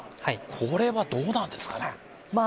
これはどうなんですか？